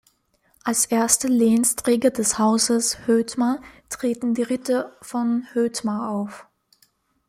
Als erste Lehnsträger des Hauses Hoetmar treten die Ritter von Hoetmar auf.